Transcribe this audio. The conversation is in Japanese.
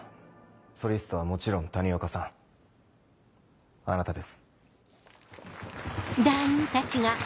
ソリストはもちろん谷岡さんあなたです。